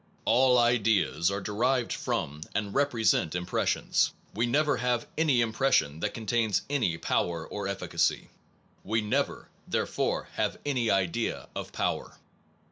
All ideas are derived from and represent impressions. We never have any impression that contains any power or efficacy. We never therefore have any idea of power.